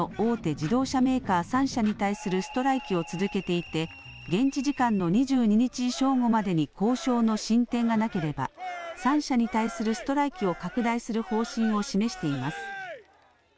自動車メーカー３社に対するストライキを続けていて現地時間の２２日正午までに交渉の進展がなければ３社に対するストライキを拡大する方針を示しています。